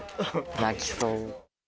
泣きそう。